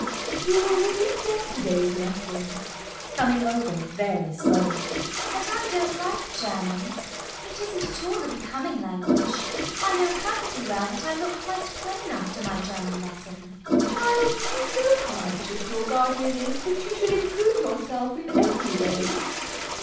We will repeat yesterday's lesson. CECILY. [Coming over very slowly.] But I don't like German. It isn't at all a becoming language. I know perfectly well that I look quite plain after my German lesson. MISS PRISM. Child, you know how anxious your guardian is that you should improve yourself in every way.